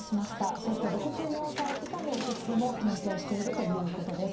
そして６４歳以下の受け付けも検討しているということです。